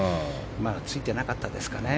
ついてなかったですかね。